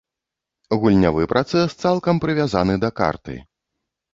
Гульнявы працэс цалкам прывязаны да карты.